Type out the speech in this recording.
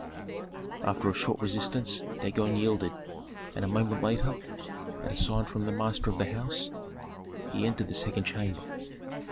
After a short resistance Dagon yielded, and a moment later, at a sign from the master of the house, he entered the second chamber.